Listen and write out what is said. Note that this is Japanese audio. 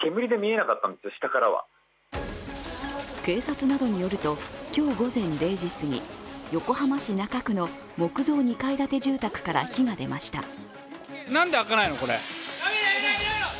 警察などによると、今日午前０時すぎ、横浜市中区の木造２階建て住宅から火が出ました。